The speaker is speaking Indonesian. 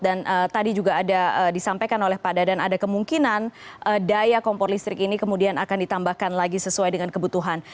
dan tadi juga ada disampaikan oleh pak dadan ada kemungkinan daya kompor listrik ini kemudian akan ditambahkan lagi sesuai dengan kebutuhan